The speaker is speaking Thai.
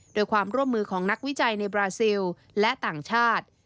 โดยความร่วมมือของนักวิจัยในบราซิลและต่างชาติ